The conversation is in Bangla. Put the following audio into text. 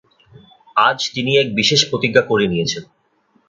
আজ তিনি এক বিশেষ প্রতিজ্ঞা করে নিয়েছেন।